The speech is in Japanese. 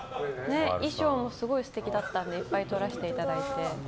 衣装もすごい素敵だったのでいっぱい撮らせていただいて。